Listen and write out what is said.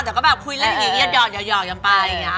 แต่ก็แบบคุยเล่นอย่างงี้ยอดอย่างปลายอย่างงี้